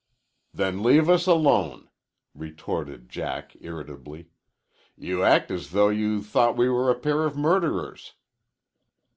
"Then leave us alone," retorted Jack irritably. "You act as though you thought we were a pair of murderers."